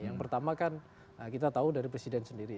yang pertama kan kita tahu dari presiden sendiri